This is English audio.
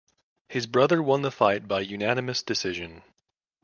His brother won the fight by unanimous decision.